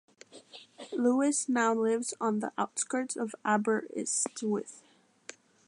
Lewis now lives on the outskirts of Aberystwyth.